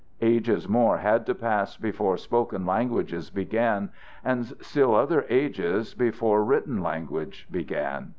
Ages more had to pass before spoken language began, and still other ages before written language began.